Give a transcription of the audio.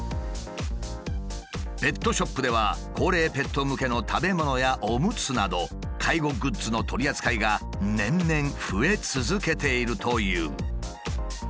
ペットショップでは高齢ペット向けの食べ物やおむつなど介護グッズの取り扱いが年々増え続けているという。